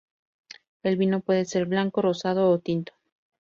El vino puede ser blanco, rosado o tinto.